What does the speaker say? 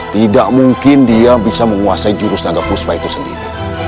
tidak mungkin dia bisa menguasai jurus nagapuswa itu sendiri